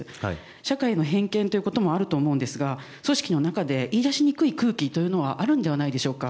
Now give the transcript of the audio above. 社会の偏見ということもあると思うんですが組織の中で言い出しにくい空気というのもあるのではないでしょうか。